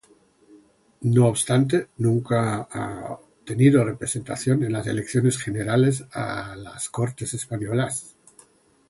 No obstante, nunca ha obtenido representación en las elecciones generales a las Cortes españolas.